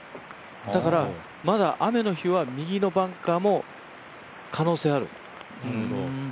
だから、まだ雨の日は右のバンカーも可能性あると。